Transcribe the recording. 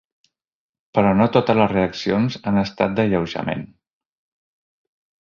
Però no totes les reaccions han estat d’alleujament.